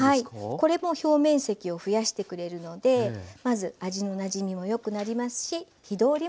これも表面積を増やしてくれるのでまず味のなじみも良くなりますし火通りも良くなります。